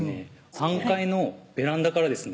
３階のベランダからですね